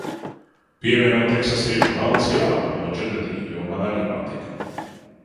"Pievieno teksasiešu "velns, jā" no Džededija, jo man arī patika!"